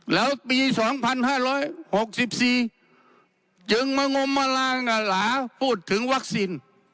แล้วปีสองพันห้าร้อยหกสิบสี่ยึงมงมลาหลาหลาพูดถึงวัคซีน